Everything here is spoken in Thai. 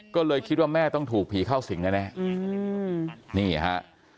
ก็เลยคิดว่าแม่ต้องถูกผีข้าวสิงหนะแน่